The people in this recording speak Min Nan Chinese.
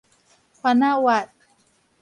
番仔挖